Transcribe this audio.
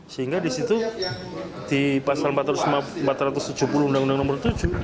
sehingga di situ di pasal empat ratus tujuh puluh undang undang nomor tujuh